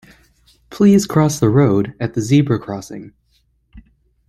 Please cross the road at the zebra crossing